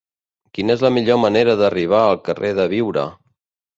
Quina és la millor manera d'arribar al carrer de Biure?